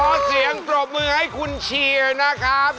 เสียงปรบมือให้คุณเชียร์นะครับ